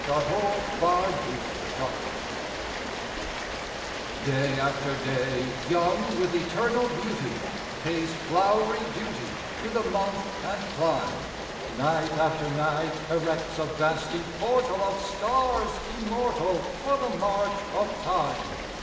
THE EVANESCENT BEAUTIFUL Day after day, young with eternal beauty, Pays flowery duty to the month and clime; Night after night erects a vasty portal Of stars immortal for the march of Time.